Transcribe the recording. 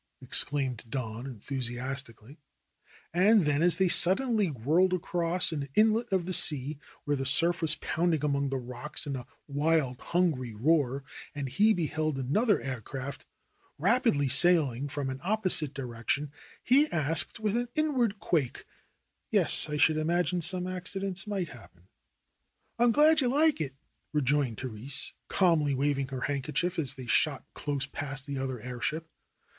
exclaimed Don enthusi astically. And then as they suddenly whirled across an inlet of the sea, where the surf was pounding among the rocks in a wild, hungry roar, and he beheld another air ship rapidly sailing from an opposite direction, he added with an inward quake, "Yes, I should imagine some accidents might happen." "I am glad you like it," rejoined Therese, calmly wav ing her handkerchief as they shot close past the other airship.